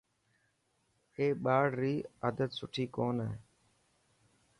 اي ٻاڙري عادت سٺي ڪون هي.